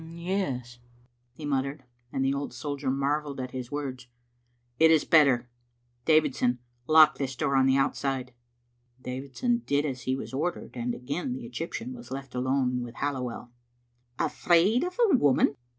''Yes," he muttered, and the old soldier marvelled at his words, "it is better. Davidson, lock this door on the outside. " Davidson did as he was ordered, and again the Egyp tian was left alone with Halliwell. "Afraid of a woman!"